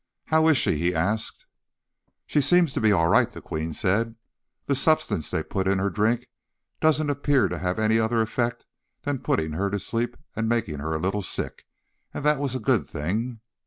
"How is she?" he asked. "She seems to be all right," the Queen said. "The substance they put in her drink doesn't appear to have had any other effect than putting her to sleep and making her a little sick—and that was a good thing."